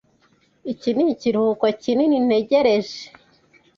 Iki nikiruhuko kinini ntegereje.